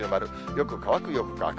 よく乾く、よく乾く。